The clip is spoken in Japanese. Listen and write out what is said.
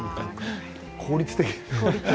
効率的。